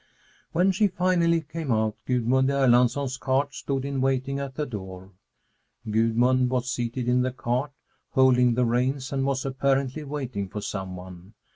When she finally came out, Gudmund Erlandsson's cart stood in waiting at the door. Gudmund was seated in the cart, holding the reins, and was apparently waiting for some one.